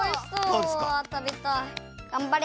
がんばれ！